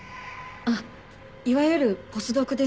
あっいわゆるポスドクです。